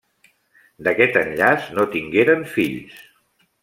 D'aquest enllaç no tingueren fills.